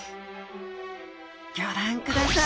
ギョ覧ください！